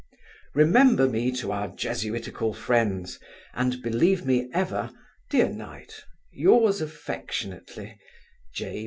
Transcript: Remember me to our Jesuitical friends, and believe me ever, Dear knight, Yours affectionately, J.